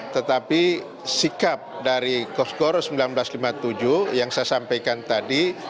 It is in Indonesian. tetapi sikap dari kosgoro seribu sembilan ratus lima puluh tujuh yang saya sampaikan tadi